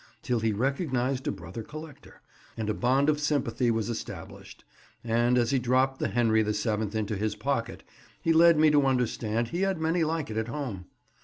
till he recognized a brother collector, and a bond of sympathy was established; and as he dropped the Henry the Seventh into his pocket, he led me to understand he had many like it at home.